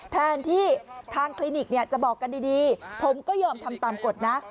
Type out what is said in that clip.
แทนที่ทางคลินิกจะบอกกันดีผมก็ยอมทำตามกฎนะ